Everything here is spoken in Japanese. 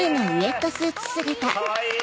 かわいい！